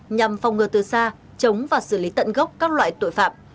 nhằm phòng ngừa từ xa chống và xử lý tận gốc các loại tội phạm